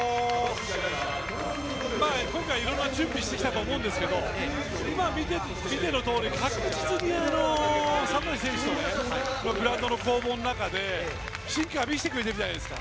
今回、いろんな準備をしてきたと思いますけど今、見てのとおり確実にサトシ選手にもグラウンドの攻防の中で進化を見せているじゃないですか。